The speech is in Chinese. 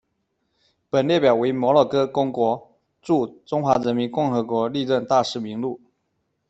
本列表为摩纳哥公国驻中华人民共和国历任大使名录。